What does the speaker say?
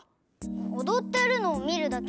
おどってるのをみるだけ？